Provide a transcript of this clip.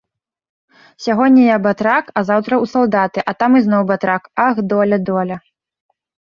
Сягоння я батрак, а заўтра ў салдаты, а там ізноў батрак, ах, доля, доля.